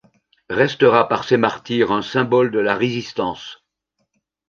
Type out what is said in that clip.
Restera par ses martyrs un symbole de la Résistance.